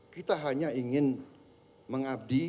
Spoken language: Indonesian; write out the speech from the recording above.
kita hanya ingin mengabdi